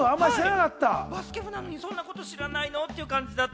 バスケ部なのに、そんなこと知らないの？って感じです。